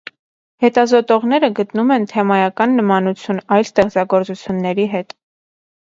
Հետազոտողները գտնում են թեմայական նմանություն այլ ստեղծագործությունների հետ։